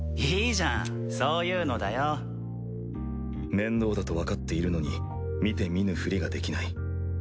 いいじゃんそういうのだよ面倒だとわかっているのに見て見ぬフリができない。